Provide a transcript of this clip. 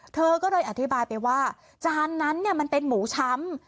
เธอก็เลยอธิบายไปว่าจานนั้นมันเป็นหมูช้ำ